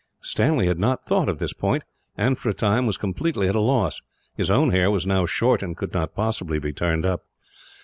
Stanley had not thought of this point and, for a time, was completely at a loss. His own hair was now short, and could not possibly be turned up.